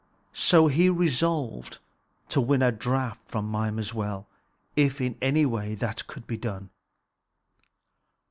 So he resolved to win a draught from Mimer's well, if in any way that could be done.